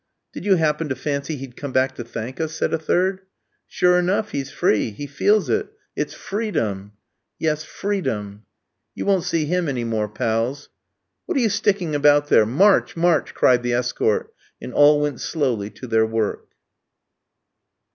"Did you happen to fancy he'd come back to thank us?" said a third. "Sure enough, he's free; he feels it. It's freedom!" "Yes, freedom." "You won't see him any more, pals." "What are you about sticking there? March, march!" cried the escort, and all went slowly to their work.